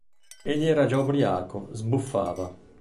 Egli era già ubriaco; sbuffava.